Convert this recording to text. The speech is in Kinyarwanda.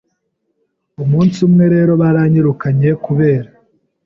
Umunsi umwe rero baranyirukanye kubera